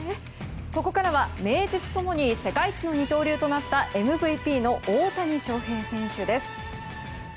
ここからは名実ともに世界一の二刀流となったＭＶＰの大谷翔平選手です。